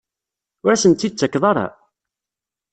Ur asen-tt-id-tettakeḍ ara?